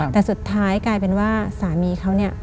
แต่สุดท้ายกลายเป็นว่าสามีเขาเนี่ย